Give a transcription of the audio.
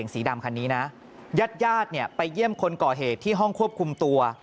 สีดำคันนี้นะญาติญาติเนี่ยไปเยี่ยมคนก่อเหตุที่ห้องควบคุมตัว